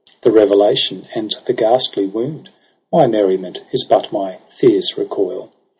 The revelation and the ghastly wound : My merriment is but my fear's recoil.